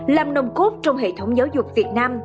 làm nồng cốt trong hệ thống giáo dục việt nam